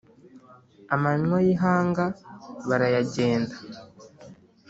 amanywa y’ihanga barayagenda